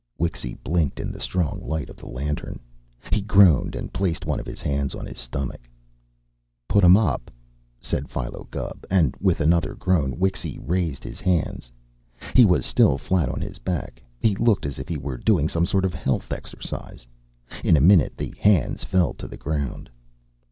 Wixy blinked in the strong light of the lantern. He groaned and placed one of his hands on his stomach. "Put 'em up!" said Philo Gubb, and with another groan Wixy raised his hands. He was still flat on his back. He looked as if he were doing some sort of health exercise. In a minute the hands fell to the ground.